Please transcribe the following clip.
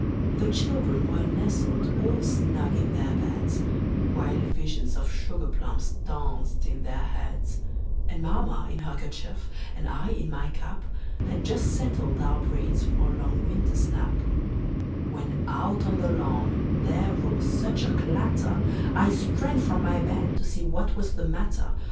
The children were nestled all snug in their beds, While visions of sugar plums danced in their heads; And mamma in her kerchief, and I in my cap, Had just settled our brains for a long winter's nap, When out on the lawn there arose such a clatter, I sprang from my bed to see what was the matter.